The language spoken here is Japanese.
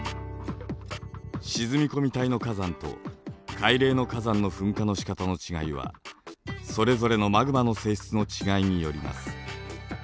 沈み込み帯の火山と海嶺の火山の噴火のしかたの違いはそれぞれのマグマの性質の違いによります。